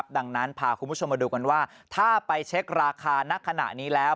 ดังนั้นพาคุณผู้ชมมาดูกันว่าถ้าไปเช็คราคานักขณะนี้แล้ว